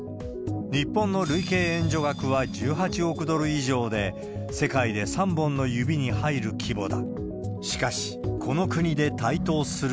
日本の累計援助額は１８億ドル以上で、世界で三本の指に入る規模だ。